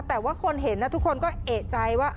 แต่ว่าคนเห็นทุกคนก็เอกใจว่า